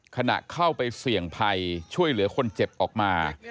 ขณะเข้าไปเสี่ยงภัยช่วยเหลือคนเจ็บออกมา